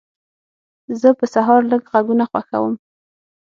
زه په سهار لږ غږونه خوښوم.